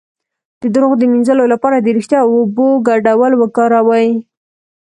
د دروغ د مینځلو لپاره د ریښتیا او اوبو ګډول وکاروئ